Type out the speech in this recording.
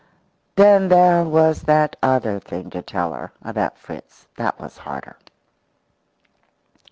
Then there was that other thing to tell her about Fritz. That was harder.